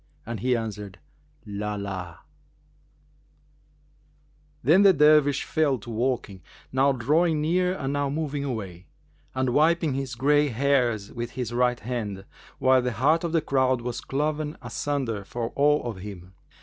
and he answered 'Lб, lб!'"[FN#379] Then the Dervish fell to walking, now drawing near and now moving away,[FN#380] and wiping his gray hairs with his right hand, whilst the heart of the crowd was cloven asunder for awe of him.